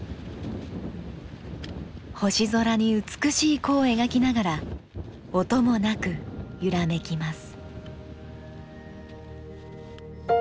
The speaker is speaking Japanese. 星空に美しい弧を描きながら音もなく揺らめきます。